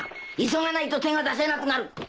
急がないと手が出せなくなる。